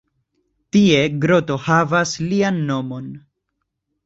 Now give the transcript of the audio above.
Tie groto havas lian nomon.